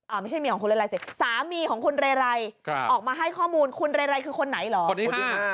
อ่ะไม่ใช่มีของคุณเรไรเสร็จสามีของคุณเรไรออกมาให้ข้อมูลคุณเรไรคือคนไหนหรอ